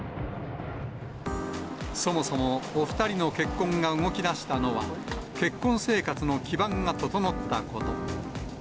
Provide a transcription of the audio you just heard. そもそも、お２人の結婚が動きだしたのは、結婚生活の基盤が整ったこと。